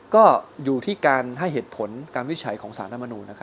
ก็อยู่ที่การให้เหตุผลการวิจัยของสารรัฐมนุน